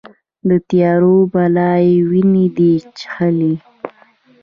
د تیارو بلا یې وینې دي چیښلې